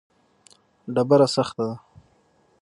ډبره سخته ده.